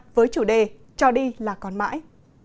với chủ đề cho đi là còn mãi